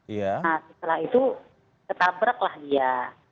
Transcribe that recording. nah setelah itu ketabraklah dia